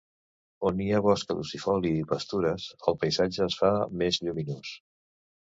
On hi ha bosc caducifoli i pastures, el paisatge es fa més lluminós.